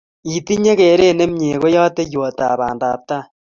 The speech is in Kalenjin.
Itinye keret ne mie ko kateiywotap pandaptai